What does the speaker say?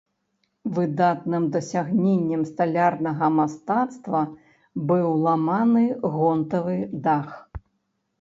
Выдатным дасягненнем сталярнага мастацтва быў ламаны гонтавы дах.